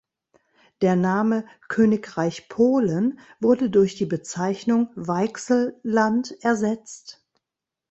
Der Name "Königreich Polen" wurde durch die Bezeichnung „Weichselland“ ersetzt.